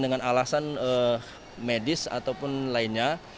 dengan alasan medis ataupun lainnya